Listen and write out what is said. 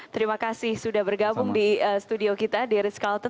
terima kasih sudah bergabung di studio kita di rizk calton